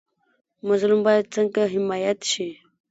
مظلوم باید څنګه حمایت شي؟